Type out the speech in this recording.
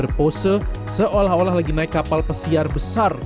tapi kita juga bisa berpose seolah olah lagi naik kapal pesiar besar